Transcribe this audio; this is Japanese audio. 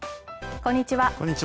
こんにちは。